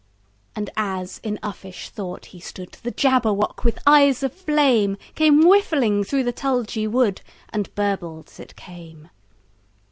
And as in uffish thought he stood, The Jabberwock, with eyes of flame, Came whiffling through the tulgey wood, And burbled as it came!